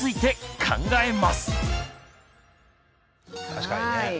確かにね。